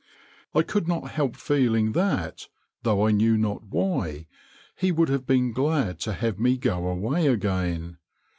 I could not help feeling that, though I knew not why, he would have been glad to have me go away again.